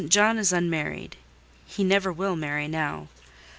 John is unmarried: he never will marry now.